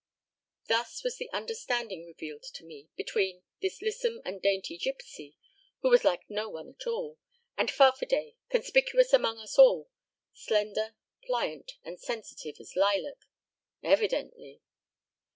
Thus was the understanding revealed to me between this lissom and dainty gypsy, who was like no one at all, and Farfadet, conspicuous among us all slender, pliant and sensitive as lilac. Evidently